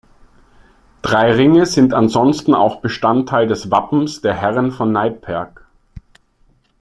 Drei Ringe sind ansonsten auch Bestandteil des Wappens der Herren von Neipperg.